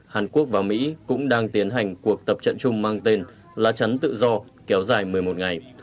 hàn quốc và mỹ cũng đang tiến hành cuộc tập trận chung mang tên lá chắn tự do kéo dài một mươi một ngày